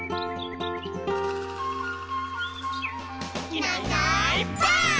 「いないいないばあっ！」